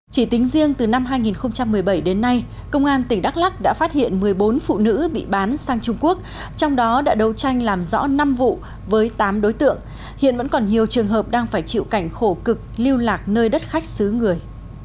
chỉ tính riêng từ năm hai nghìn một mươi bảy đến nay công an tỉnh đắk lắc đã phát hiện một mươi bốn phụ nữ bị bán sang trung quốc trong đó đã đấu tranh làm rõ năm vụ với tám đối tượng hiện vẫn còn nhiều trường hợp đang phải chịu cảnh khổ cực lưu lạc nơi đất khách xứ người